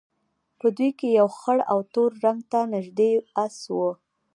په دوی کې یو خړ او تور رنګ ته نژدې اس وو.